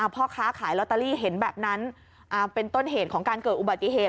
พ่อค้าขายลอตเตอรี่เห็นแบบนั้นเป็นต้นเหตุของการเกิดอุบัติเหตุ